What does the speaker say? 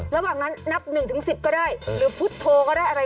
ระหว่างนั้นนับ๑๑๐ก็ได้หรือพุทธโธก็ได้อะไร